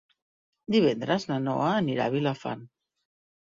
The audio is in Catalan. Divendres na Noa anirà a Vilafant.